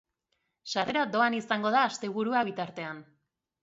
Sarrera doan izango da asteburua bitartean.